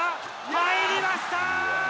入りました。